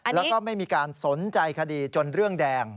แล้วก็ไม่มีการสนใจคดีจนเรื่องแดง